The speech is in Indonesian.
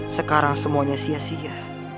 sekarang semuanya sia sia